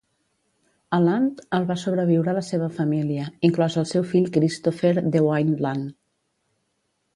A Lund el va sobreviure la seva família, inclòs el seu fill Christopher DeWayne Lund.